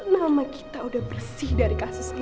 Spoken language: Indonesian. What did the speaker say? nama kita udah bersih dari kasus ini